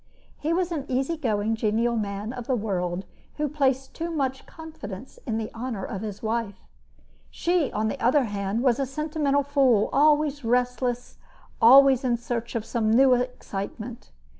He was an easy going, genial man of the world who placed too much confidence in the honor of his wife. She, on the other hand, was a sentimental fool, always restless, always in search of some new excitement.